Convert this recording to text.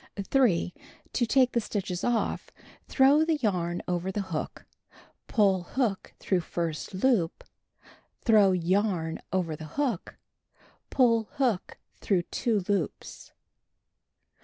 3. To take the stitches off, throw the yarn over the hook, pull hook through first loop. Throw yarn over the hook. Pull hook through 2 loops.